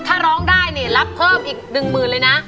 ถ้าร้องได้นี่รับเพิ่มอีก๑หมื่นเลยนะ